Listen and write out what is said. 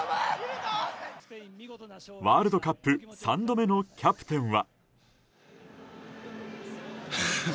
ワールドカップ３度目のキャプテンは。